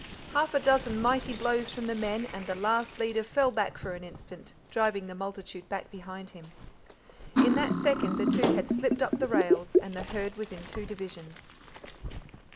Half a dozen mighty blows from the men, and the last leader fell back for an instant, driving the multitude back behind him. In that second the two had slipped up the rails and the herd was in two divisions.